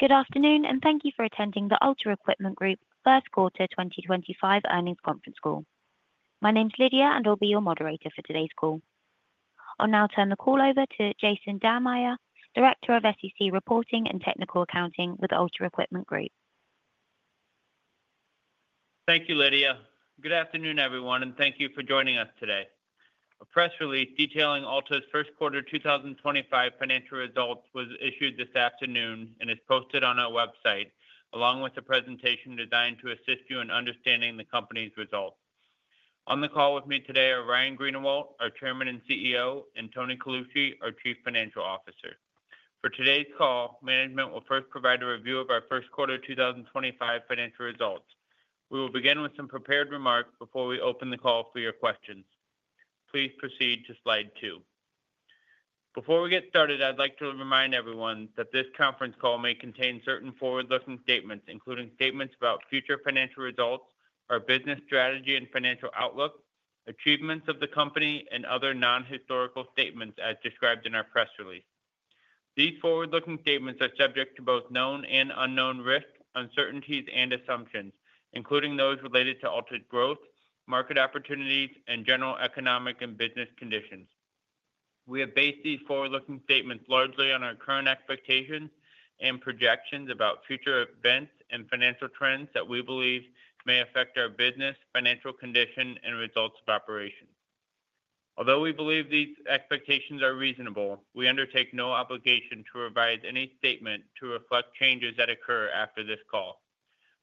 Good afternoon, and thank you for attending the Alta Equipment Group's first quarter 2025 earnings conference call. My name's Lydia, and I'll be your moderator for today's call. I'll now turn the call over to Jason Dammeyer, Director of SEC Reporting and Technical Accounting with Alta Equipment Group. Thank you, Lydia. Good afternoon, everyone, and thank you for joining us today. A press release detailing Alta's first quarter 2025 financial results was issued this afternoon and is posted on our website, along with a presentation designed to assist you in understanding the company's results. On the call with me today are Ryan Greenawalt, our Chairman and CEO, and Tony Colucci, our Chief Financial Officer. For today's call, management will first provide a review of our first quarter 2025 financial results. We will begin with some prepared remarks before we open the call for your questions. Please proceed to slide two. Before we get started, I'd like to remind everyone that this conference call may contain certain forward-looking statements, including statements about future financial results, our business strategy and financial outlook, achievements of the company, and other non-historical statements as described in our press release. These forward-looking statements are subject to both known and unknown risks, uncertainties, and assumptions, including those related to altered growth, market opportunities, and general economic and business conditions. We have based these forward-looking statements largely on our current expectations and projections about future events and financial trends that we believe may affect our business, financial condition, and results of operations. Although we believe these expectations are reasonable, we undertake no obligation to revise any statement to reflect changes that occur after this call.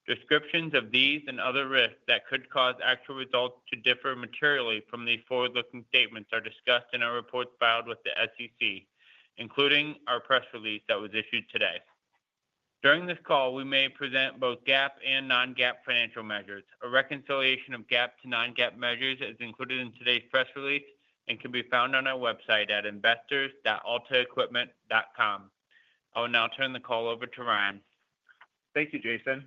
Descriptions of these and other risks that could cause actual results to differ materially from these forward-looking statements are discussed in our reports filed with the SEC, including our press release that was issued today. During this call, we may present both GAAP and non-GAAP financial measures. A reconciliation of GAAP to non-GAAP measures is included in today's press release and can be found on our website at investors.altaequipment.com. I will now turn the call over to Ryan. Thank you, Jason.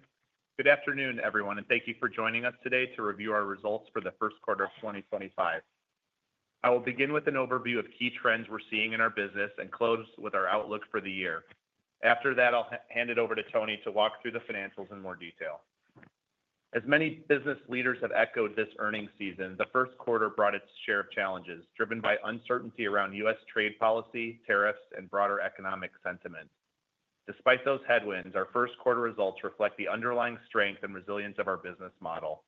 Good afternoon, everyone, and thank you for joining us today to review our results for the first quarter of 2025. I will begin with an overview of key trends we're seeing in our business and close with our outlook for the year. After that, I'll hand it over to Tony to walk through the financials in more detail. As many business leaders have echoed this earnings season, the first quarter brought its share of challenges, driven by uncertainty around U.S. trade policy, tariffs, and broader economic sentiment. Despite those headwinds, our first quarter results reflect the underlying strength and resilience of our business model.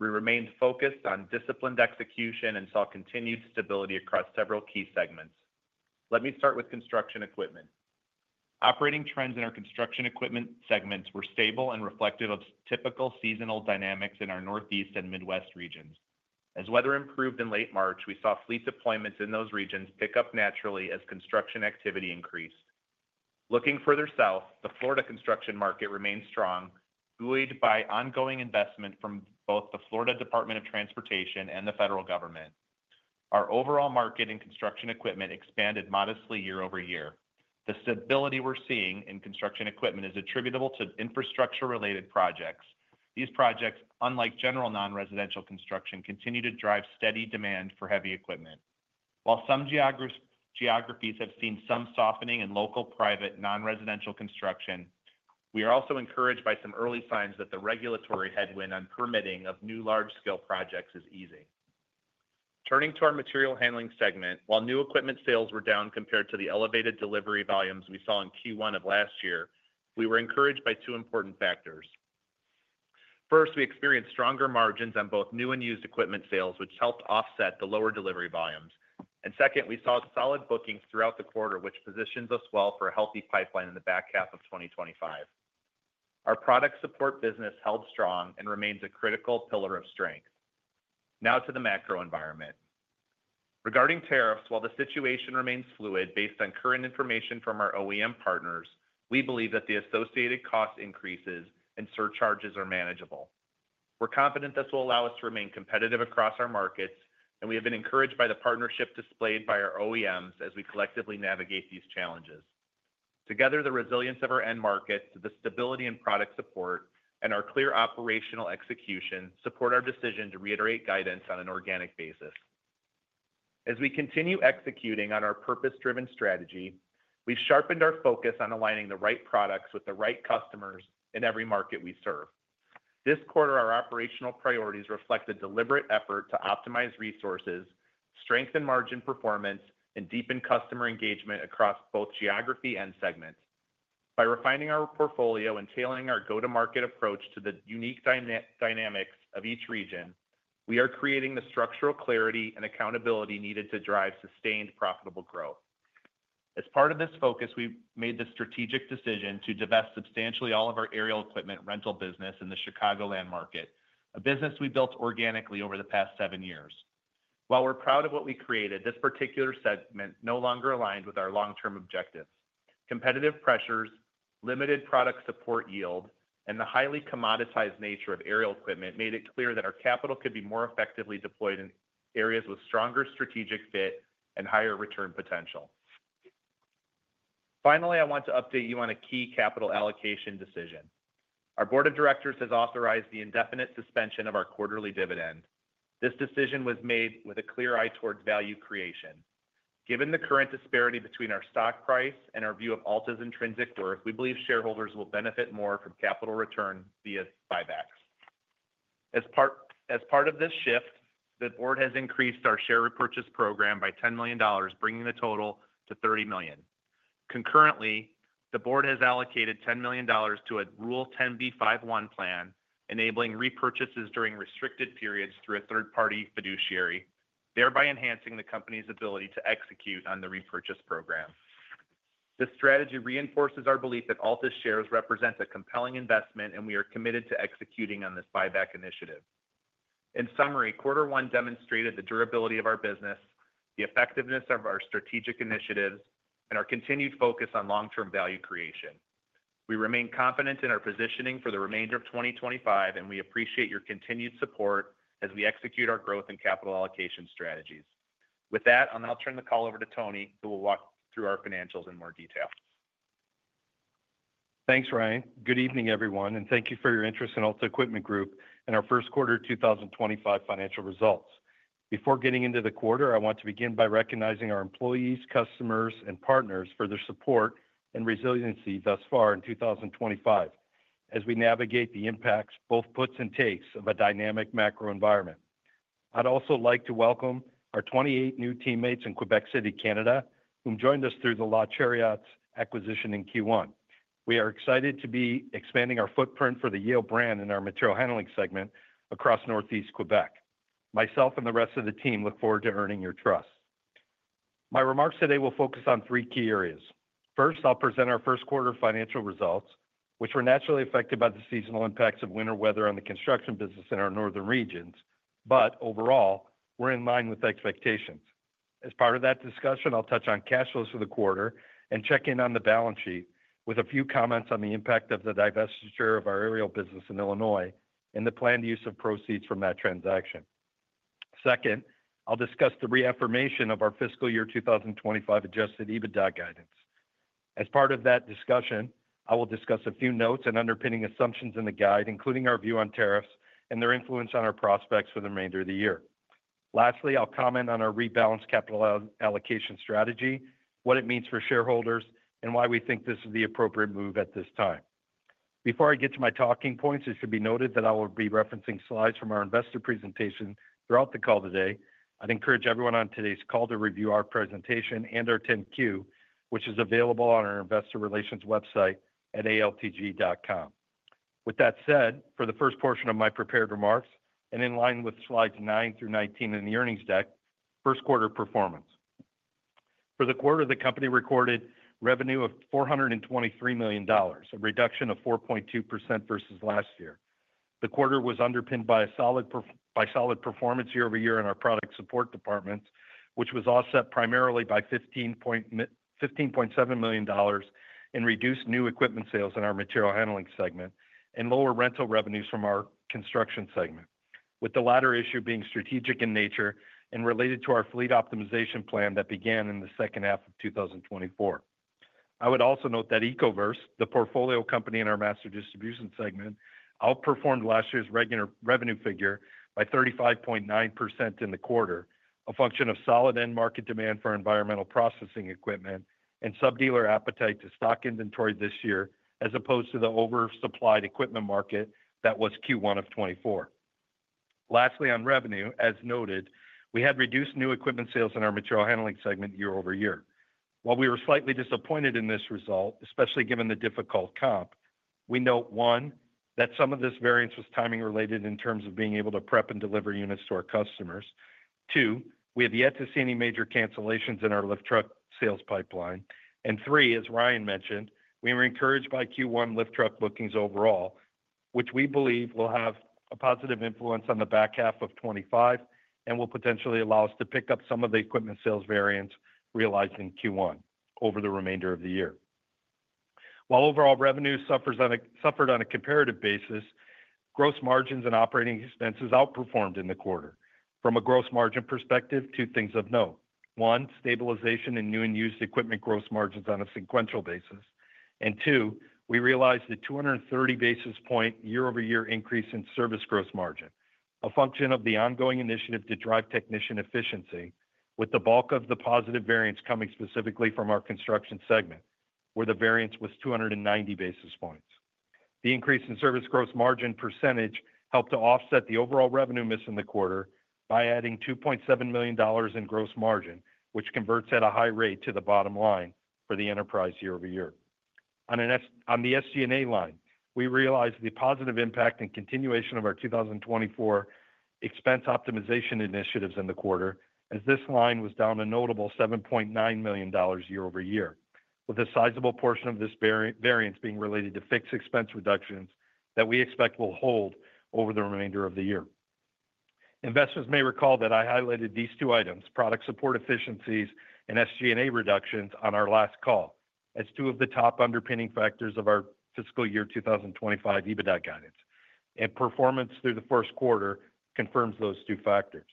We remained focused on disciplined execution and saw continued stability across several key segments. Let me start with construction equipment. Operating trends in our construction equipment segments were stable and reflective of typical seasonal dynamics in our Northeast and Midwest regions. As weather improved in late March, we saw fleet deployments in those regions pick up naturally as construction activity increased. Looking further south, the Florida construction market remained strong, buoyed by ongoing investment from both the Florida Department of Transportation and the federal government. Our overall market in construction equipment expanded modestly year over year. The stability we're seeing in construction equipment is attributable to infrastructure-related projects. These projects, unlike general non-residential construction, continue to drive steady demand for heavy equipment. While some geographies have seen some softening in local private non-residential construction, we are also encouraged by some early signs that the regulatory headwind on permitting of new large-scale projects is easing. Turning to our material handling segment, while new equipment sales were down compared to the elevated delivery volumes we saw in Q1 of last year, we were encouraged by two important factors. First, we experienced stronger margins on both new and used equipment sales, which helped offset the lower delivery volumes. Second, we saw solid bookings throughout the quarter, which positions us well for a healthy pipeline in the back half of 2025. Our product support business held strong and remains a critical pillar of strength. Now to the macro environment. Regarding tariffs, while the situation remains fluid based on current information from our OEM partners, we believe that the associated cost increases and surcharges are manageable. We're confident this will allow us to remain competitive across our markets, and we have been encouraged by the partnership displayed by our OEMs as we collectively navigate these challenges. Together, the resilience of our end markets, the stability in product support, and our clear operational execution support our decision to reiterate guidance on an organic basis. As we continue executing on our purpose-driven strategy, we've sharpened our focus on aligning the right products with the right customers in every market we serve. This quarter, our operational priorities reflect a deliberate effort to optimize resources, strengthen margin performance, and deepen customer engagement across both geography and segment. By refining our portfolio and tailoring our go-to-market approach to the unique dynamics of each region, we are creating the structural clarity and accountability needed to drive sustained profitable growth. As part of this focus, we made the strategic decision to divest substantially all of our aerial equipment rental business in the Chicagoland market, a business we built organically over the past seven years. While we're proud of what we created, this particular segment no longer aligned with our long-term objectives. Competitive pressures, limited product support yield, and the highly commoditized nature of aerial equipment made it clear that our capital could be more effectively deployed in areas with stronger strategic fit and higher return potential. Finally, I want to update you on a key capital allocation decision. Our Board of Directors has authorized the indefinite suspension of our quarterly dividend. This decision was made with a clear eye towards value creation. Given the current disparity between our stock price and our view of Alta's intrinsic worth, we believe shareholders will benefit more from capital return via buybacks. As part of this shift, the board has increased our share repurchase program by $10 million, bringing the total to $30 million. Concurrently, the board has allocated $10 million to a Rule 10B51 plan, enabling repurchases during restricted periods through a third-party fiduciary, thereby enhancing the company's ability to execute on the repurchase program. This strategy reinforces our belief that Alta's shares represent a compelling investment, and we are committed to executing on this buyback initiative. In summary, quarter one demonstrated the durability of our business, the effectiveness of our strategic initiatives, and our continued focus on long-term value creation. We remain confident in our positioning for the remainder of 2025, and we appreciate your continued support as we execute our growth and capital allocation strategies. With that, I'll now turn the call over to Tony, who will walk through our financials in more detail. Thanks, Ryan. Good evening, everyone, and thank you for your interest in Alta Equipment Group and our first quarter 2025 financial results. Before getting into the quarter, I want to begin by recognizing our employees, customers, and partners for their support and resiliency thus far in 2025 as we navigate the impacts, both puts and takes, of a dynamic macro environment. I'd also like to welcome our 28 new teammates in Quebec City, Canada, who joined us through the La Chariots acquisition in Q1. We are excited to be expanding our footprint for the Yale brand in our material handling segment across northeast Quebec. Myself and the rest of the team look forward to earning your trust. My remarks today will focus on three key areas. First, I'll present our first quarter financial results, which were naturally affected by the seasonal impacts of winter weather on the construction business in our northern regions, but overall, we're in line with expectations. As part of that discussion, I'll touch on cash flows for the quarter and check in on the balance sheet with a few comments on the impact of the divestiture of our aerial business in Illinois and the planned use of proceeds from that transaction. Second, I'll discuss the reaffirmation of our fiscal year 2025 adjusted EBITDA guidance. As part of that discussion, I will discuss a few notes and underpinning assumptions in the guide, including our view on tariffs and their influence on our prospects for the remainder of the year. Lastly, I'll comment on our rebalanced capital allocation strategy, what it means for shareholders, and why we think this is the appropriate move at this time. Before I get to my talking points, it should be noted that I will be referencing slides from our investor presentation throughout the call today. I'd encourage everyone on today's call to review our presentation and our 10Q, which is available on our investor relations website at altg.com. With that said, for the first portion of my prepared remarks, and in line with slides 9-19 in the earnings deck, first quarter performance. For the quarter, the company recorded revenue of $423 million, a reduction of 4.2% versus last year. The quarter was underpinned by a solid performance year over year in our product support departments, which was offset primarily by $15.7 million in reduced new equipment sales in our material handling segment and lower rental revenues from our construction segment, with the latter issue being strategic in nature and related to our fleet optimization plan that began in the second half of 2024. I would also note that EcoVerse, the portfolio company in our master distribution segment, outperformed last year's regular revenue figure by 35.9% in the quarter, a function of solid end market demand for environmental processing equipment and sub-dealer appetite to stock inventory this year, as opposed to the oversupplied equipment market that was Q1 of 2024. Lastly, on revenue, as noted, we had reduced new equipment sales in our material handling segment year over year. While we were slightly disappointed in this result, especially given the difficult comp, we note, one, that some of this variance was timing-related in terms of being able to prep and deliver units to our customers. Two, we have yet to see any major cancellations in our lift truck sales pipeline. Three, as Ryan mentioned, we were encouraged by Q1 lift truck bookings overall, which we believe will have a positive influence on the back half of 2025 and will potentially allow us to pick up some of the equipment sales variance realized in Q1 over the remainder of the year. While overall revenue suffered on a comparative basis, gross margins and operating expenses outperformed in the quarter. From a gross margin perspective, two things of note. One, stabilization in new and used equipment gross margins on a sequential basis. We realized a 230 basis point year-over-year increase in service gross margin, a function of the ongoing initiative to drive technician efficiency, with the bulk of the positive variance coming specifically from our construction segment, where the variance was 290 basis points. The increase in service gross margin percentage helped to offset the overall revenue miss in the quarter by adding $2.7 million in gross margin, which converts at a high rate to the bottom line for the enterprise year-over-year. On the SG&A line, we realized the positive impact and continuation of our 2024 expense optimization initiatives in the quarter, as this line was down a notable $7.9 million year-over-year, with a sizable portion of this variance being related to fixed expense reductions that we expect will hold over the remainder of the year. Investors may recall that I highlighted these two items, product support efficiencies and SG&A reductions on our last call, as two of the top underpinning factors of our fiscal year 2025 EBITDA guidance. Performance through the first quarter confirms those two factors.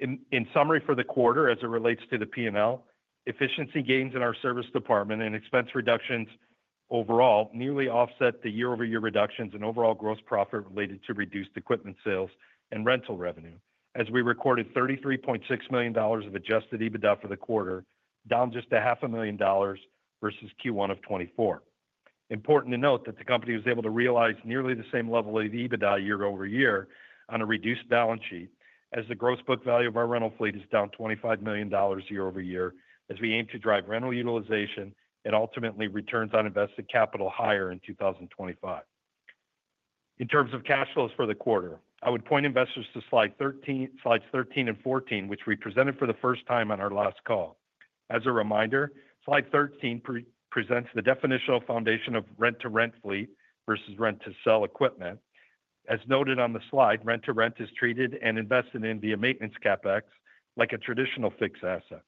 In summary for the quarter, as it relates to the P&L, efficiency gains in our service department and expense reductions overall nearly offset the year-over-year reductions in overall gross profit related to reduced equipment sales and rental revenue, as we recorded $33.6 million of adjusted EBITDA for the quarter, down just $500,000 versus Q1 of 2024. Important to note that the company was able to realize nearly the same level of EBITDA year-over-year on a reduced balance sheet, as the gross book value of our rental fleet is down $25 million year-over-year, as we aim to drive rental utilization and ultimately returns on invested capital higher in 2025. In terms of cash flows for the quarter, I would point investors to slides 13 and 14, which we presented for the first time on our last call. As a reminder, slide 13 presents the definitional foundation of rent-to-rent fleet versus rent-to-sell equipment. As noted on the slide, rent-to-rent is treated and invested in via maintenance CapEx like a traditional fixed asset.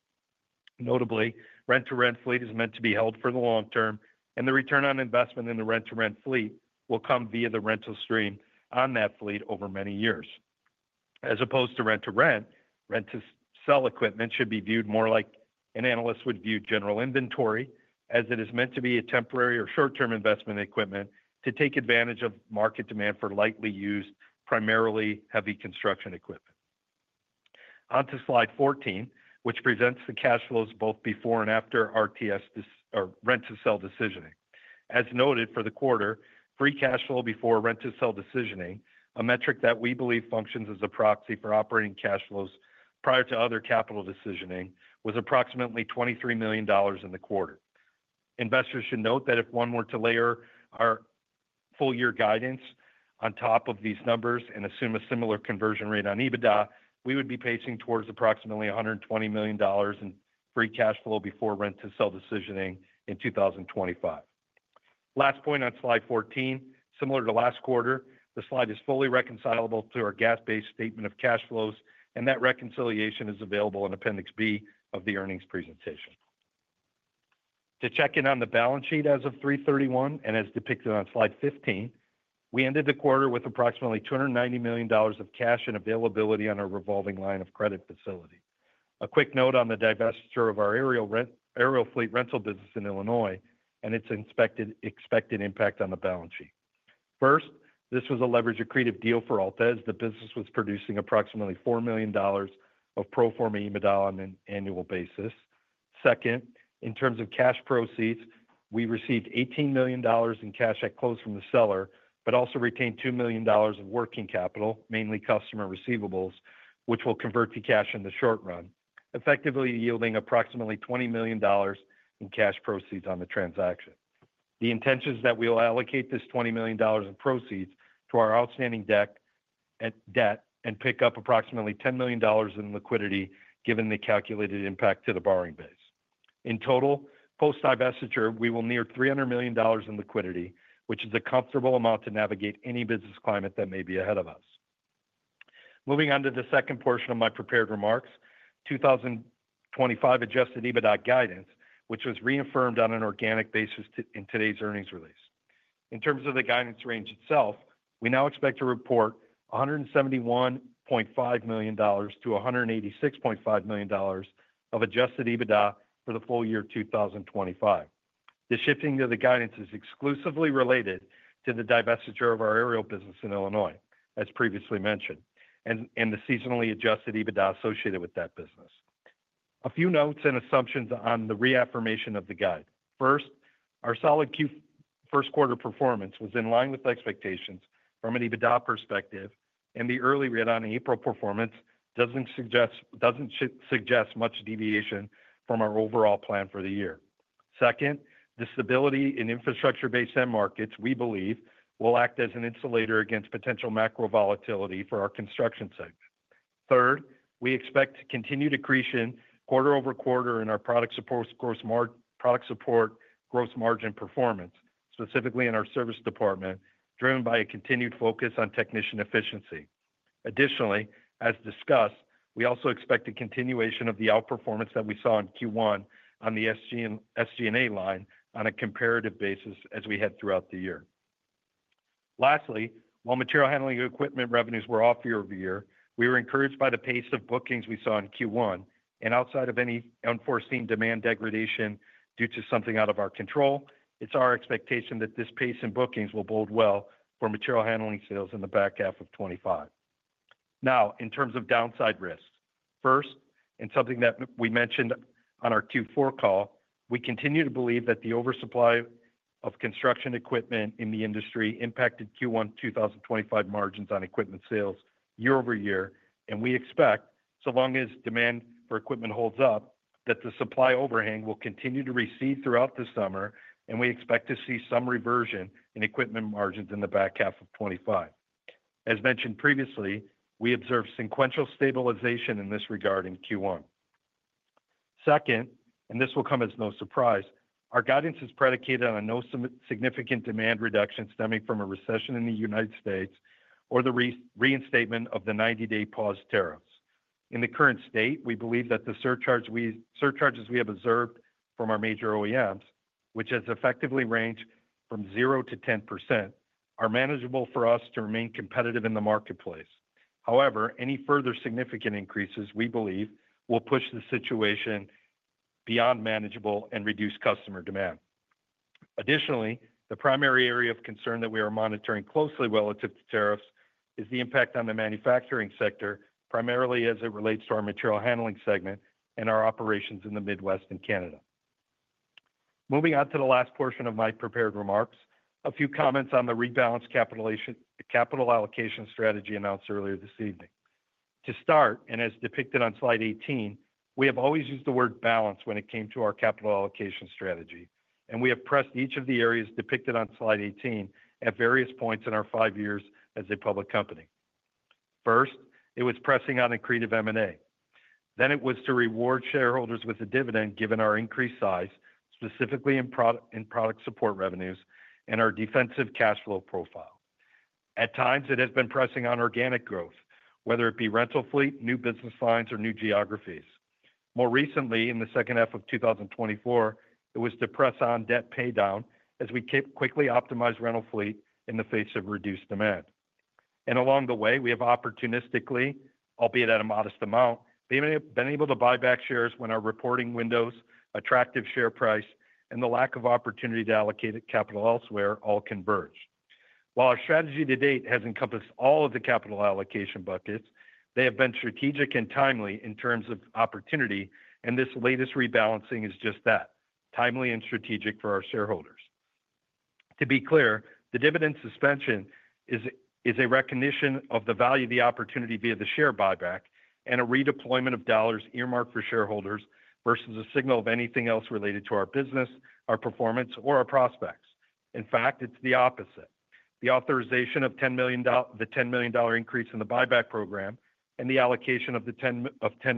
Notably, rent-to-rent fleet is meant to be held for the long term, and the return on investment in the rent-to-rent fleet will come via the rental stream on that fleet over many years. As opposed to rent-to-rent, rent-to-sell equipment should be viewed more like an analyst would view general inventory, as it is meant to be a temporary or short-term investment in equipment to take advantage of market demand for lightly used, primarily heavy construction equipment. Onto slide 14, which presents the cash flows both before and after RTS or rent-to-sell decisioning. As noted for the quarter, free cash flow before rent-to-sell decisioning, a metric that we believe functions as a proxy for operating cash flows prior to other capital decisioning, was approximately $23 million in the quarter. Investors should note that if one were to layer our full-year guidance on top of these numbers and assume a similar conversion rate on EBITDA, we would be pacing towards approximately $120 million in free cash flow before rent-to-sell decisioning in 2025. Last point on slide 14, similar to last quarter, the slide is fully reconcilable to our GAAP-based statement of cash flows, and that reconciliation is available in Appendix B of the earnings presentation. To check in on the balance sheet as of 3/31 and as depicted on slide 15, we ended the quarter with approximately $290 million of cash and availability on our revolving line of credit facility. A quick note on the divestiture of our aerial fleet rental business in Illinois and its expected impact on the balance sheet. First, this was a leverage-accretive deal for Alta Equipment Group. The business was producing approximately $4 million of pro forma EBITDA on an annual basis. Second, in terms of cash proceeds, we received $18 million in cash at close from the seller, but also retained $2 million of working capital, mainly customer receivables, which will convert to cash in the short run, effectively yielding approximately $20 million in cash proceeds on the transaction. The intention is that we will allocate this $20 million in proceeds to our outstanding debt and pick up approximately $10 million in liquidity, given the calculated impact to the borrowing base. In total, post-divestiture, we will near $300 million in liquidity, which is a comfortable amount to navigate any business climate that may be ahead of us. Moving on to the second portion of my prepared remarks, 2025 adjusted EBITDA guidance, which was reaffirmed on an organic basis in today's earnings release. In terms of the guidance range itself, we now expect to report $171.5 million-$186.5 million of adjusted EBITDA for the full year 2025. The shifting of the guidance is exclusively related to the divestiture of our aerial business in Illinois, as previously mentioned, and the seasonally adjusted EBITDA associated with that business. A few notes and assumptions on the reaffirmation of the guide. First, our solid Q1 performance was in line with expectations from an EBITDA perspective, and the early read-on April performance does not suggest much deviation from our overall plan for the year. Second, the stability in infrastructure-based end markets, we believe, will act as an insulator against potential macro volatility for our construction segment. Third, we expect continued accretion quarter over quarter in our product support gross margin performance, specifically in our service department, driven by a continued focus on technician efficiency. Additionally, as discussed, we also expect a continuation of the outperformance that we saw in Q1 on the SG&A line on a comparative basis as we had throughout the year. Lastly, while material handling equipment revenues were off year-over-year, we were encouraged by the pace of bookings we saw in Q1, and outside of any unforeseen demand degradation due to something out of our control, it's our expectation that this pace in bookings will bode well for material handling sales in the back half of 2025. Now, in terms of downside risk, first, and something that we mentioned on our Q4 call, we continue to believe that the oversupply of construction equipment in the industry impacted Q1 2025 margins on equipment sales year-over-year, and we expect, so long as demand for equipment holds up, that the supply overhang will continue to recede throughout the summer, and we expect to see some reversion in equipment margins in the back half of 2025. As mentioned previously, we observed sequential stabilization in this regard in Q1. Second, and this will come as no surprise, our guidance is predicated on no significant demand reductions stemming from a recession in the U.S. or the reinstatement of the 90-day pause tariffs. In the current state, we believe that the surcharges we have observed from our major OEMs, which has effectively ranged from 0-10%, are manageable for us to remain competitive in the marketplace. However, any further significant increases, we believe, will push the situation beyond manageable and reduce customer demand. Additionally, the primary area of concern that we are monitoring closely relative to tariffs is the impact on the manufacturing sector, primarily as it relates to our material handling segment and our operations in the Midwest and Canada. Moving on to the last portion of my prepared remarks, a few comments on the rebalanced capital allocation strategy announced earlier this evening. To start, and as depicted on slide 18, we have always used the word balance when it came to our capital allocation strategy, and we have pressed each of the areas depicted on slide 18 at various points in our five years as a public company. First, it was pressing on accretive M&A. Then it was to reward shareholders with a dividend given our increased size, specifically in product support revenues and our defensive cash flow profile. At times, it has been pressing on organic growth, whether it be rental fleet, new business lines, or new geographies. More recently, in the second half of 2024, it was to press on debt paydown as we quickly optimized rental fleet in the face of reduced demand. Along the way, we have opportunistically, albeit at a modest amount, been able to buy back shares when our reporting windows, attractive share price, and the lack of opportunity to allocate capital elsewhere all converged. While our strategy to date has encompassed all of the capital allocation buckets, they have been strategic and timely in terms of opportunity, and this latest rebalancing is just that, timely and strategic for our shareholders. To be clear, the dividend suspension is a recognition of the value of the opportunity via the share buyback and a redeployment of dollars earmarked for shareholders versus a signal of anything else related to our business, our performance, or our prospects. In fact, it's the opposite. The authorization of the $10 million increase in the buyback program and the allocation of $10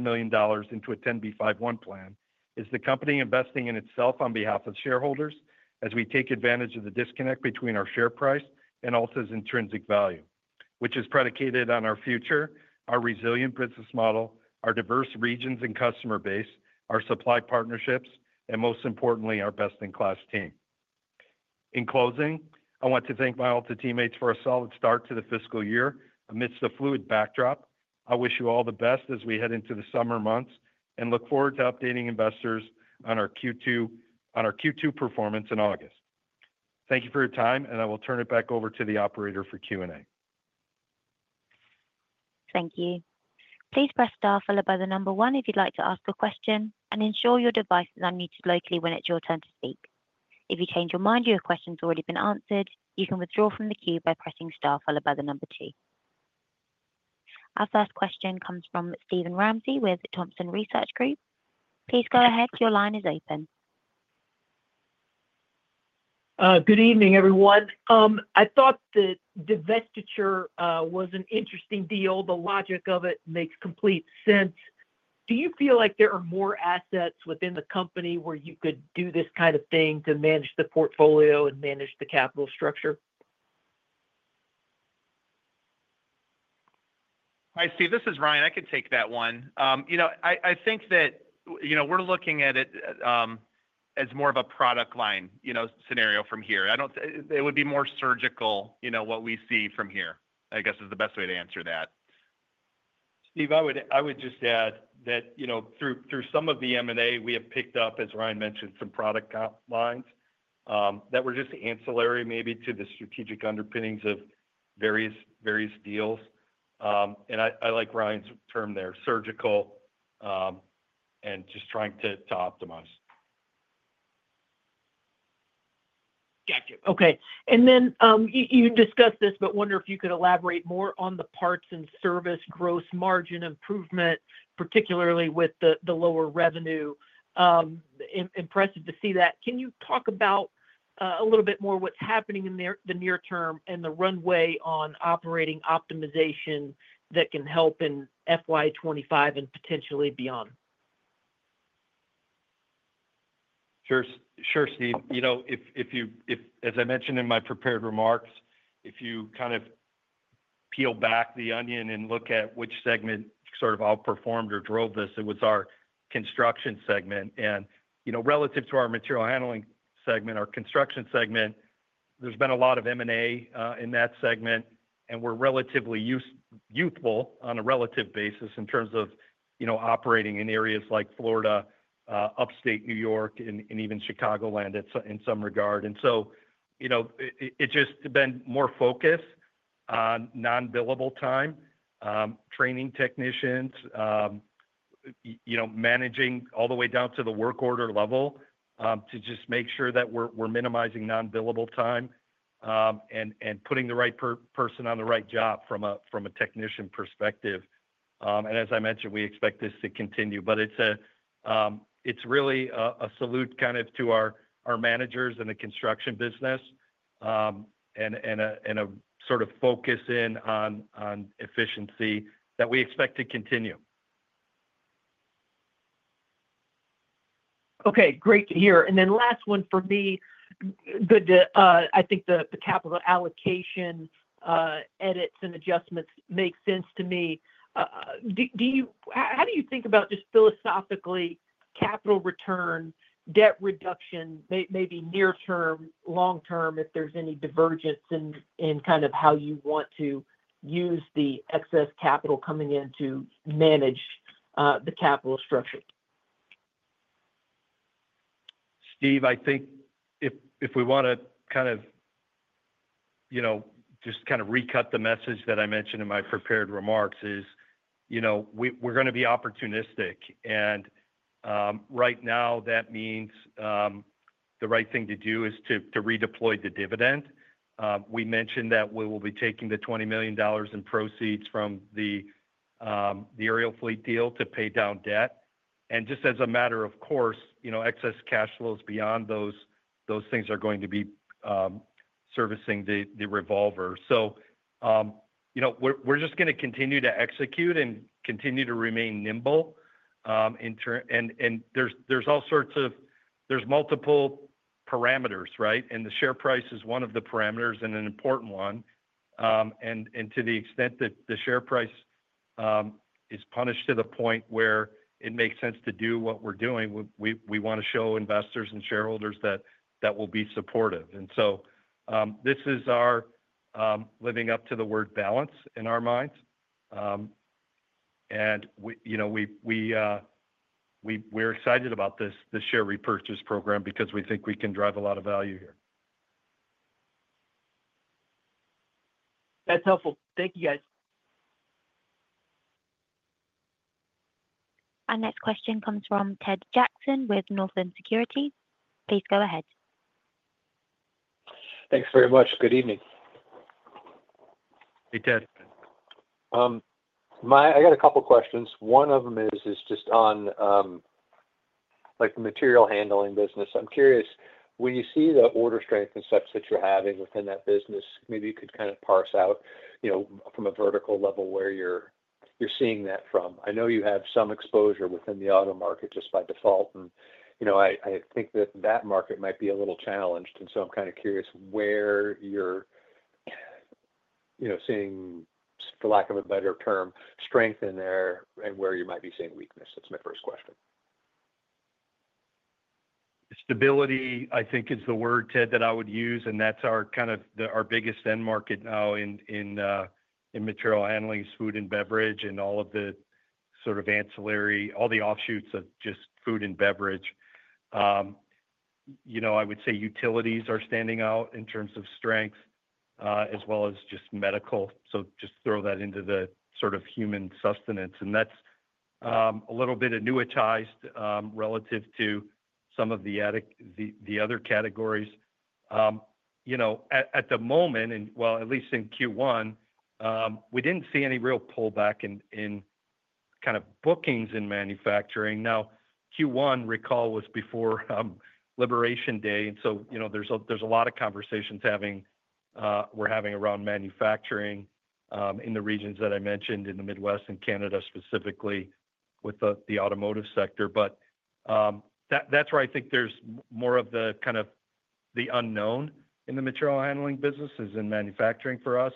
million into a 10B51 plan is the company investing in itself on behalf of shareholders as we take advantage of the disconnect between our share price and Alta's intrinsic value, which is predicated on our future, our resilient business model, our diverse regions and customer base, our supply partnerships, and most importantly, our best-in-class team. In closing, I want to thank my Alta teammates for a solid start to the fiscal year. Amidst a fluid backdrop, I wish you all the best as we head into the summer months and look forward to updating investors on our Q2 performance in August. Thank you for your time, and I will turn it back over to the operator for Q&A. Thank you. Please press star followed by the number one if you'd like to ask a question, and ensure your device is unmuted locally when it's your turn to speak. If you change your mind, your question's already been answered, you can withdraw from the queue by pressing star followed by the number two. Our first question comes from Steven Ramsey with Thompson Research Group. Please go ahead. Your line is open. Good evening, everyone. I thought the divestiture was an interesting deal. The logic of it makes complete sense. Do you feel like there are more assets within the company where you could do this kind of thing to manage the portfolio and manage the capital structure? I see. This is Ryan. I can take that one. I think that we're looking at it as more of a product line scenario from here. It would be more surgical. What we see from here, I guess, is the best way to answer that. Steve, I would just add that through some of the M&A, we have picked up, as Ryan mentioned, some product lines that were just ancillary maybe to the strategic underpinnings of various deals. I like Ryan's term there, surgical, and just trying to optimize. Okay. You discussed this, but wonder if you could elaborate more on the parts and service gross margin improvement, particularly with the lower revenue. Impressive to see that. Can you talk about a little bit more what's happening in the near term and the runway on operating optimization that can help in FY25 and potentially beyond? Sure, Steve. As I mentioned in my prepared remarks, if you kind of peel back the onion and look at which segment sort of outperformed or drove this, it was our construction segment. Relative to our material handling segment, our construction segment, there's been a lot of M&A in that segment, and we're relatively youthful on a relative basis in terms of operating in areas like Florida, upstate New York, and even Chicagoland in some regard. It has just been more focus on non-billable time, training technicians, managing all the way down to the work order level to just make sure that we're minimizing non-billable time and putting the right person on the right job from a technician perspective. As I mentioned, we expect this to continue, but it is really a salute to our managers in the construction business and a focus on efficiency that we expect to continue. Great to hear. Last one for me, I think the capital allocation edits and adjustments make sense to me. How do you think about, just philosophically, capital return, debt reduction, maybe near term, long term, if there is any divergence in how you want to use the excess capital coming in to manage the capital structure? Steve, if we want to recut the message that I mentioned in my prepared remarks, we are going to be opportunistic. Right now, that means the right thing to do is to redeploy the dividend. We mentioned that we will be taking the $20 million in proceeds from the aerial fleet deal to pay down debt. Just as a matter of course, excess cash flows beyond those things are going to be servicing the revolver. We are just going to continue to execute and continue to remain nimble. There are all sorts of, there are multiple parameters, right? The share price is one of the parameters and an important one. To the extent that the share price is punished to the point where it makes sense to do what we are doing, we want to show investors and shareholders that we will be supportive. This is our living up to the word balance in our minds. We are excited about this share repurchase program because we think we can drive a lot of value here. That is helpful. Thank you, guys. Our next question comes from Ted Jackson with Northland Securities. Please go ahead. Thanks very much. Good evening. Hey, Ted. I got a couple of questions. One of them is just on the material handling business. I'm curious, when you see the order strength and such that you're having within that business, maybe you could kind of parse out from a vertical level where you're seeing that from. I know you have some exposure within the auto market just by default, and I think that that market might be a little challenged. I'm kind of curious where you're seeing, for lack of a better term, strength in there and where you might be seeing weakness. That's my first question. Stability, I think, is the word, Ted, that I would use, and that's kind of our biggest end market now in material handling, food and beverage, and all of the sort of ancillary, all the offshoots of just food and beverage. I would say utilities are standing out in terms of strength as well as just medical. Just throw that into the sort of human sustenance. That is a little bit annuitized relative to some of the other categories. At the moment, and at least in Q1, we did not see any real pullback in kind of bookings in manufacturing. Now, Q1, recall, was before Liberation Day, and there are a lot of conversations we are having around manufacturing in the regions that I mentioned in the Midwest and Canada specifically with the automotive sector. That is where I think there is more of the kind of the unknown in the material handling business, is in manufacturing for us.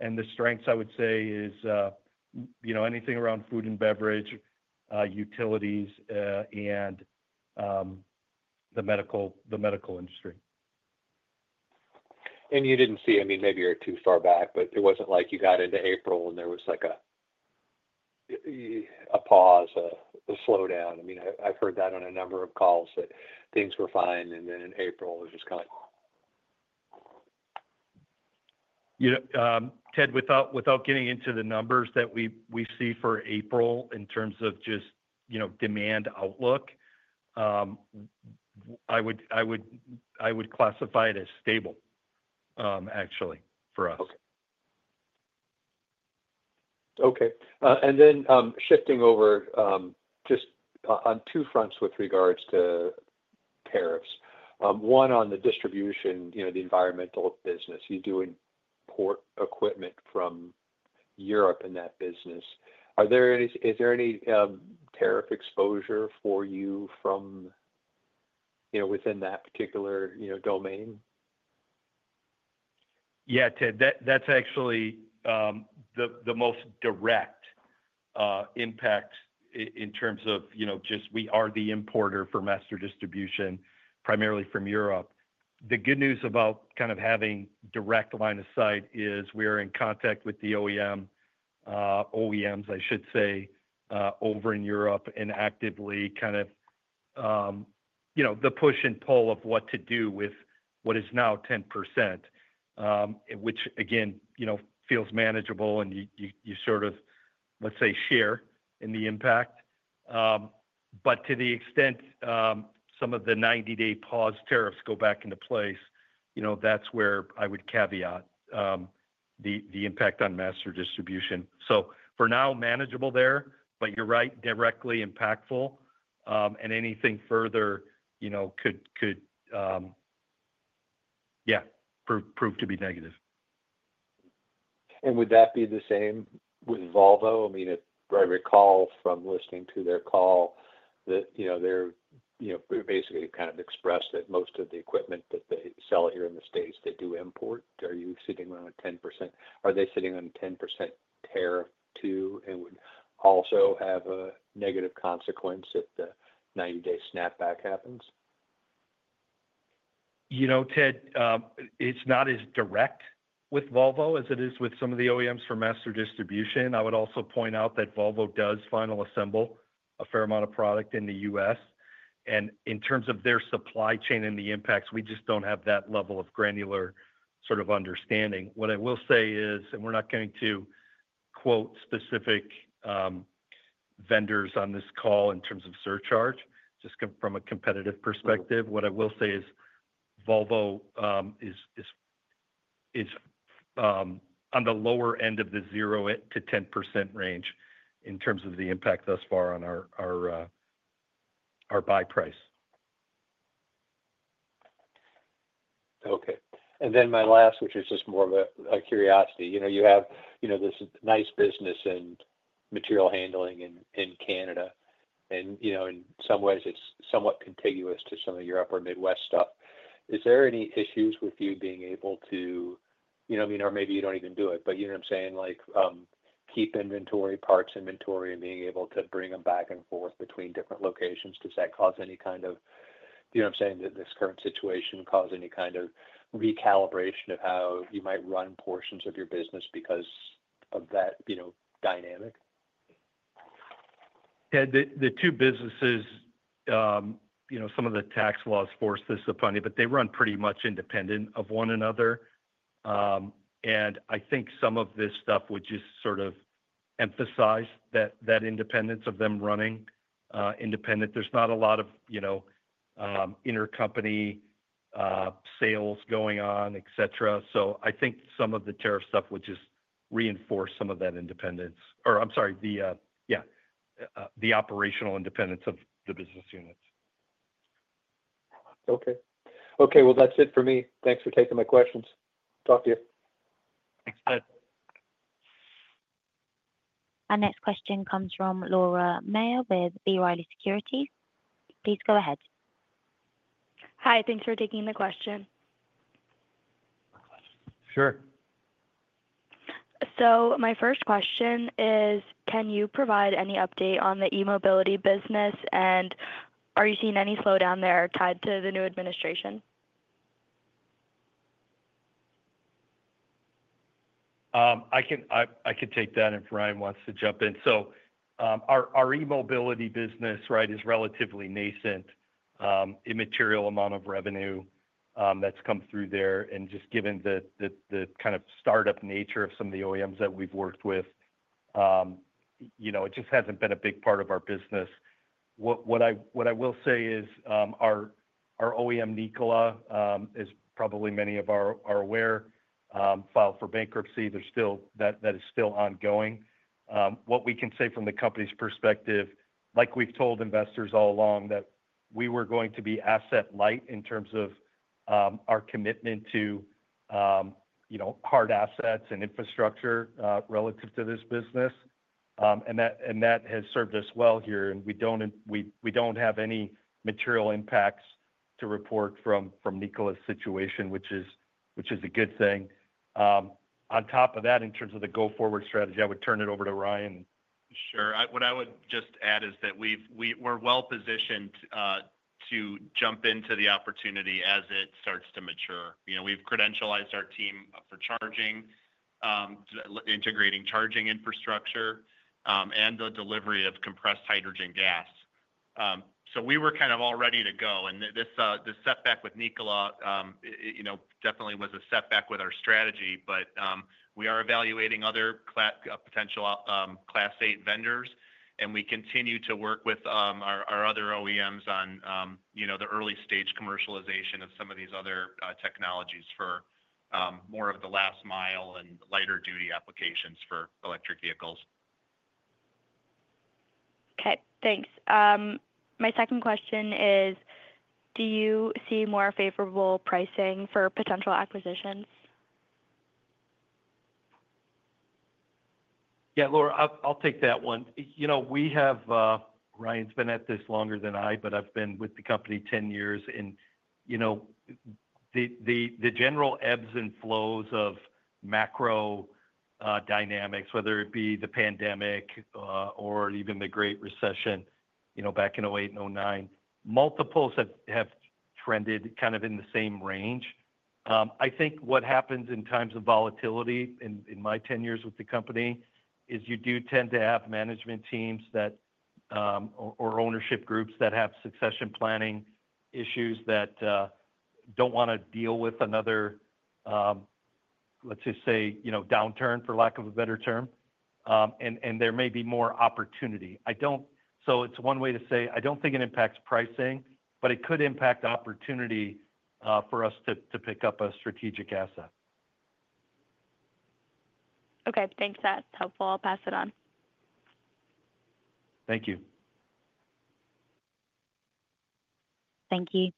The strengths, I would say, are anything around food and beverage, utilities, and the medical industry. You did not see any—maybe you are too far back, but it was not like you got into April and there was a pause, a slowdown. I mean, I have heard that on a number of calls, that things were fine, and then in April, it was just kind of Ted, without getting into the numbers that we see for April in terms of just demand outlook, I would classify it as stable, actually, for us. Okay. Shifting over just on two fronts with regards to tariffs. One on the distribution, the environmental business. You do import equipment from Europe in that business. Is there any tariff exposure for you from within that particular domain? Yeah, Ted. That's actually the most direct impact in terms of just we are the importer for master distribution, primarily from Europe. The good news about kind of having direct line of sight is we are in contact with the OEM, OEMs, I should say, over in Europe and actively kind of the push and pull of what to do with what is now 10%, which, again, feels manageable, and you sort of, let's say, share in the impact. To the extent some of the 90-day pause tariffs go back into place, that's where I would caveat the impact on master distribution. For now, manageable there, but you're right, directly impactful, and anything further could, yeah, prove to be negative. Would that be the same with Volvo? I mean, if I recall from listening to their call, they basically kind of expressed that most of the equipment that they sell here in the U.S., they do import. Are you sitting on a 10%? Are they sitting on a 10% tariff too and would also have a negative consequence if the 90-day snapback happens? Ted, it's not as direct with Volvo as it is with some of the OEMs for master distribution. I would also point out that Volvo does final assemble a fair amount of product in the U.S. In terms of their supply chain and the impacts, we just don't have that level of granular sort of understanding. What I will say is, and we're not going to quote specific vendors on this call in terms of surcharge, just from a competitive perspective, what I will say is Volvo is on the lower end of the 0-10% range in terms of the impact thus far on our buy price. Okay. And then my last, which is just more of a curiosity, you have this nice business in material handling in Canada, and in some ways, it's somewhat contiguous to some of your upper Midwest stuff. Is there any issues with you being able to—I mean, or maybe you don't even do it, but you know what I'm saying? Keep inventory, parts inventory, and being able to bring them back and forth between different locations. Does that cause any kind of—you know what I'm saying? Does this current situation cause any kind of recalibration of how you might run portions of your business because of that dynamic? Yeah. The two businesses, some of the tax laws force this upon you, but they run pretty much independent of one another. I think some of this stuff would just sort of emphasize that independence of them running independent. There's not a lot of intercompany sales going on, etc. I think some of the tariff stuff would just reinforce some of that independence. Or I'm sorry, yeah, the operational independence of the business units. Okay. Okay. That's it for me. Thanks for taking my questions. Talk to you. Thanks, Ted. Our next question comes from Laura Maher with B. Riley Securities. Please go ahead. Hi. Thanks for taking the question. Sure. My first question is, can you provide any update on the e-mobility business, and are you seeing any slowdown there tied to the new administration? I could take that if Ryan wants to jump in. Our e-mobility business, right, is relatively nascent, immaterial amount of revenue that's come through there. Just given the kind of startup nature of some of the OEMs that we've worked with, it just hasn't been a big part of our business. What I will say is our OEM, Nikola, as probably many are aware, filed for bankruptcy. That is still ongoing. What we can say from the company's perspective, like we've told investors all along, is that we were going to be asset-light in terms of our commitment to hard assets and infrastructure relative to this business. That has served us well here, and we do not have any material impacts to report from Nikola's situation, which is a good thing. On top of that, in terms of the go-forward strategy, I would turn it over to Ryan. Sure. What I would just add is that we are well-positioned to jump into the opportunity as it starts to mature. We have credentialized our team for integrating charging infrastructure and the delivery of compressed hydrogen gas. We were kind of all ready to go. The setback with Nikola definitely was a setback with our strategy, but we are evaluating other potential Class 8 vendors, and we continue to work with our other OEMs on the early-stage commercialization of some of these other technologies for more of the last mile and lighter-duty applications for electric vehicles. Okay. Thanks. My second question is, do you see more favorable pricing for potential acquisitions? Yeah, Laura, I'll take that one. Ryan's been at this longer than I, but I've been with the company 10 years. And the general ebbs and flows of macro dynamics, whether it be the pandemic or even the Great Recession back in 2008 and 2009, multiples have trended kind of in the same range. I think what happens in times of volatility in my 10 years with the company is you do tend to have management teams or ownership groups that have succession planning issues that don't want to deal with another, let's just say, downturn, for lack of a better term. There may be more opportunity. It's one way to say, I don't think it impacts pricing, but it could impact opportunity for us to pick up a strategic asset. Okay. Thanks. That's helpful. I'll pass it on. Thank you. Thank you.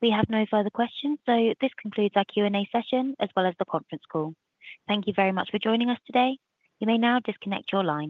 We have no further questions. This concludes our Q&A session as well as the conference call. Thank you very much for joining us today. You may now disconnect your line.